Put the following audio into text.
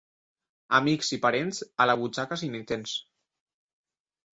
Amics i parents, a la butxaca si n'hi tens.